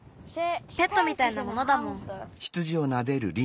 ペットみたいなものだもん。